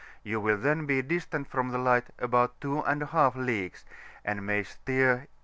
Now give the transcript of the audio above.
you will then be distant from the light about 2 j^ leagues, and may steer E.